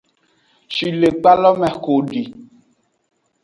Shilekpa lo me xo edi.